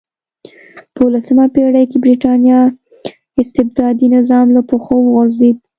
په اولسمه پېړۍ کې برېټانیا استبدادي نظام له پښو وغورځېد.